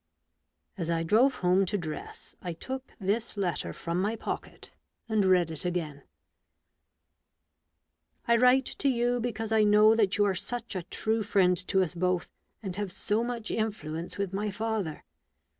As I drove home to dress, I took this letter from my pocket and read it again :— "I write to you because I know that you are such a true friend to us both, and have so much influence with my father.